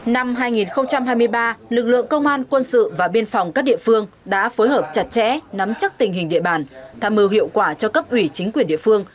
năm hai nghìn hai mươi ba lực lượng công an quân sự và biên phòng các địa phương đã phối hợp chặt chẽ nắm chắc tình hình địa bàn tham mưu hiệu quả cho cấp ủy chính quyền địa phương